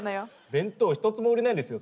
弁当ひとつも売れないですよ。